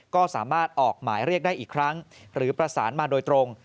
ก็สามารถออกหมายเรียกได้อีกครั้งหรือประสานมาโดยตรง